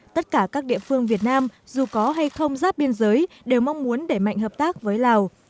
tất cả các địa phương việt nam dù có hay không giáp biên giới đều mong muốn để mạnh hợp tác với lào